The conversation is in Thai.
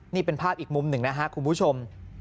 นี่เป็นภาพอีกมุมหนึ่งนะครับคุณผู้ชม